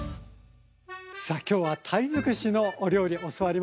さあ今日は鯛尽くしのお料理教わりました。